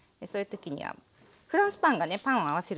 そういう時にはフランスパンがね